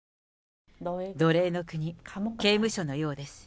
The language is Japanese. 奴隷の国、刑務所のようです。